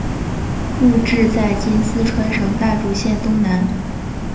故治在今四川省大竹县东南。